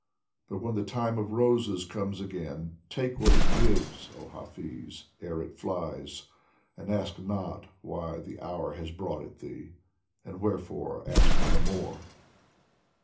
But when the time of roses comes again, Take what it gives, oh Hafiz, ere it flies, And ask not why the hour has brought it thee, And wherefore ask no more